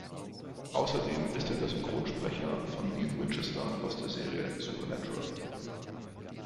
Außerdem ist er der Synchronsprecher von Dean Winchester aus der Serie "Supernatural".